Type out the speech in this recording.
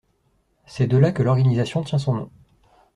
C'est de là que l'organisation tient son nom.